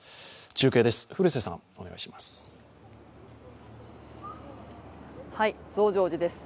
中継です。